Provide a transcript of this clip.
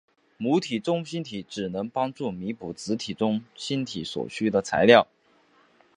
母体中心体只能帮助弥补子体中心体所需的材料。